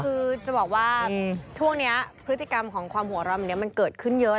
คือจะบอกว่าช่วงนี้พฤติกรรมของความหัวร้อนแบบนี้มันเกิดขึ้นเยอะ